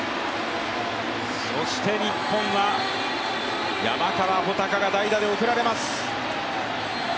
そして日本は山川穂高が代打で送られます。